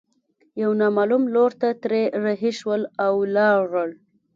يوه نامعلوم لور ته ترې رهي شول او ولاړل.